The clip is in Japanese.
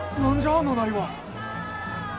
あのなりは。